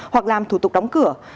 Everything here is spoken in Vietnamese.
hoặc làm thủ tục đóng cửa